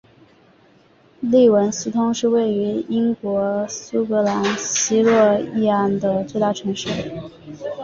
利文斯通是位于英国苏格兰西洛锡安的最大城市。